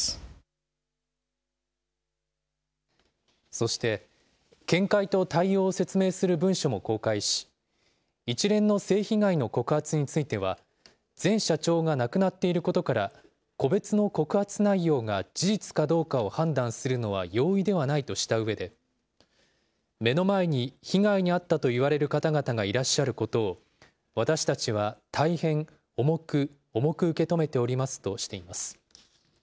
そして、見解と対応を説明する文書も公開し、一連の性被害の告発については、前社長が亡くなっていることから、個別の告発内容が事実かどうかを判断するのは容易ではないとしたうえで、目の前に被害に遭ったと言われる方々がいらっしゃることを、私たちは大変重く重く受け止めておりますとしています。